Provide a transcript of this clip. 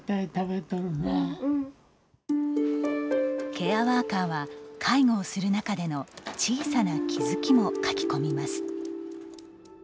ケアワーカーは介護をする中での小さな気づきも書き込みます。